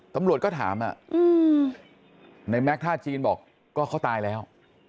ตำรวจก็ถามในแม็กซท่าจีนบอกก็เขาตายแล้ว